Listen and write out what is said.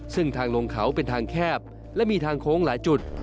ซึ่งทางลงเขาเป็นทางแคบและมีทางโค้งหลายจุด